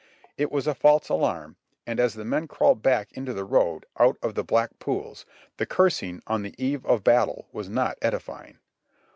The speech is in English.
It was a false alarm ; and as the men crawled back into the road, out of the black pools, the cursing on the eve of battle was not edifying.